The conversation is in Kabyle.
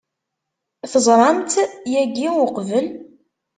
Teẓram-tt yagi uqbel?